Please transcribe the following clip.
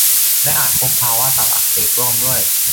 และอาจพบภาวะตับอักเสบร่วมด้วย